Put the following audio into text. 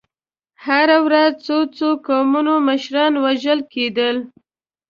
هره ورځ څو څو قومي مشران وژل کېدل.